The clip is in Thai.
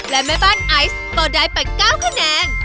และแม่บ้านไอซ์ก็ได้ไป๙คะแนน